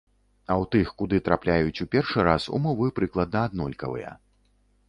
А ў тых, куды трапляюць у першы раз, умовы прыкладна аднолькавыя.